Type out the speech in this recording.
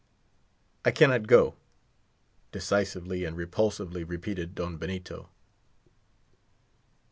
"I cannot go," decisively and repulsively repeated Don Benito.